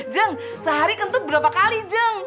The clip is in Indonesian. jun sehari kentut berapa kali jun